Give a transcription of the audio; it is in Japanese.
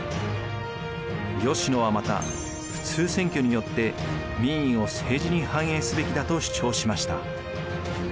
吉野はまた「普通選挙によって民意を政治に反映すべきだ」と主張しました。